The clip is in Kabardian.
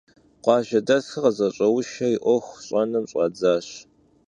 Khuajjedesxer khızeş'euşşeri 'uexu ş'enım ş'adzat.